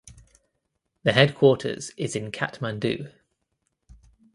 The headquarters is in Kathmandu.